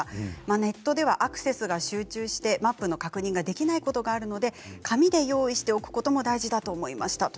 ネットではアクセスが集中して確認ができないこともあるので紙で用意しておくのも大事だと思いました。